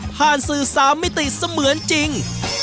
สื่อ๓มิติเสมือนจริง